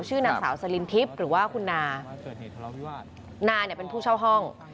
ชื่อนามสาวสลินทิพย์หรือว่าคุณนานาเนี่ยเป็นผู้เช่าห้อง